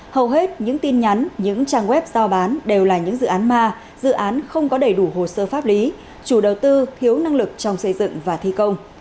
hầu hết những tin nhắn những trang web giao bán đều là những dự án ma dự án không có đầy đủ hồ sơ pháp lý chủ đầu tư thiếu năng lực trong xây dựng và thi công